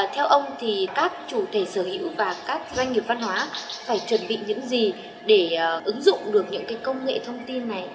theo ông thì các chủ thể sở hữu và các doanh nghiệp văn hóa phải chuẩn bị những gì để ứng dụng được những công nghệ thông tin này